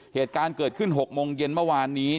เหตุการณ์เกิดขึ้น๖โมงเย็นเมื่อวานนี้